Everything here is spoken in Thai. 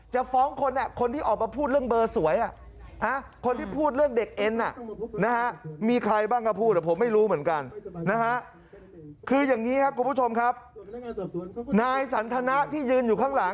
จะฟ้องคนนะคนที่ออกมาพูดเรื่องเบอร์สวยอ่ะ